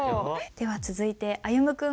では続いて歩夢君。